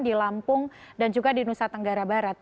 di lampung dan juga di nusa tenggara barat